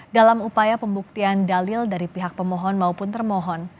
dalam upaya pembuktian dalil dari pihak pemohon maupun termohon